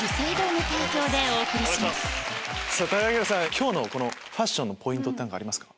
今日のファッションのポイントって何かありますか？